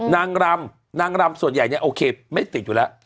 นางรำส่วนใหญ่เนี่ยโอเคไม่ติดอยู่เอล่ะ